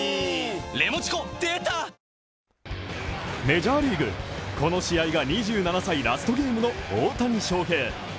メジャーリーグ、この試合が２７歳ラストゲームの大谷翔平。